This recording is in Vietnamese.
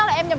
ngay sau đó